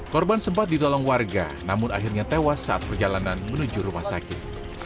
korban sempat ditolong warga namun akhirnya tewas saat perjalanan menuju rumah sakit